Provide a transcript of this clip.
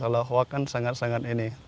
kalau hoax kan sangat sangat ini